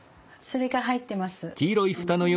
それが入ってます。